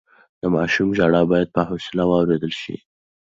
د ماشوم ژړا بايد په حوصله واورېدل شي.